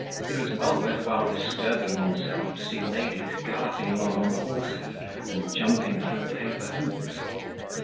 It was well worth while disturbing oneself to see ladies galloping along on horses and jumping through paper hoops.